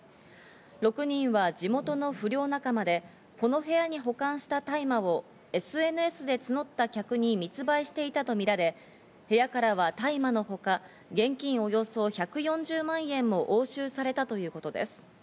６人は地元の不良仲間で、この部屋に保管した大麻をＳＮＳで募った客に密売していたとみられ、部屋からは大麻のほか現金およそ１４０万円も押収されたということです。